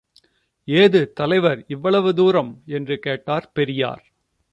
ஏது தலைவர் இவ்வளவு தூரம் என்று கேட்டார் பெரியார்.